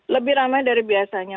lebih ramai dari biasanya